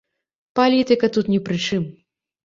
Палітыка тут не пры чым.